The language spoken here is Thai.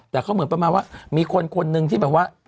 แต่เขาเหมือนประมาณว่ามีคนคนหนึ่งที่แบบว่า